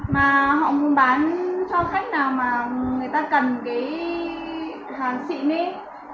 mà họ cũng bán cho khách nào mà người ta cần cái hàng xị nếp